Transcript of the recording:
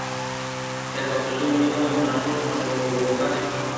Se construye un nido en un árbol y pone dos huevos blancos.